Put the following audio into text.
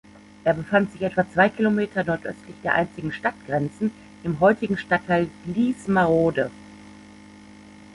Er befand sich etwa zwei Kilometer nordöstlich der einstigen Stadtgrenzen, im heutigen Stadtteil Gliesmarode.